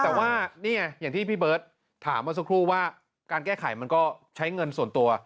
แต่ว่านี่ไงอย่างที่พี่เบิร์ตถามมาสักครู่ว่าการแก้ไขมันก็ใช้เงินส่วนตัว